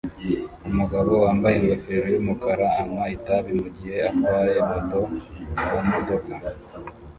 Umugabo wambaye ingofero yumukara anywa itabi mugihe atwaye moto mumodoka